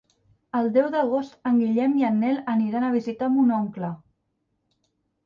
El deu d'agost en Guillem i en Nel aniran a visitar mon oncle.